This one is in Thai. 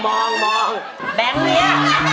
แบงค์เหลีย